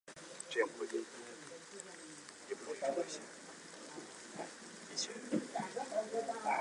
拜埃尔布伦是德国巴伐利亚州的一个市镇。